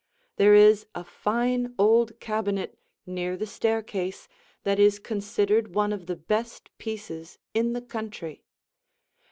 There is a fine old cabinet near the staircase that is considered one of the best pieces in the country.